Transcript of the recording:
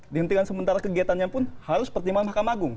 dihentikan sementara kegiatannya pun harus pertimbangan mahkamah agung